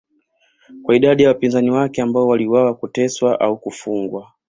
kwa idadi ya wapinzani wake ambao waliuawa kuteswa au kufungwa